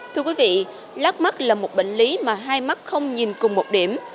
thưa quý vị lát mắt là một bệnh lý mà hai mắt không nhìn cùng một điểm